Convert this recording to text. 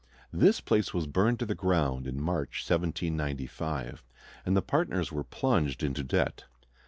This place was burned to the ground in March, 1795, and the partners were plunged into debt.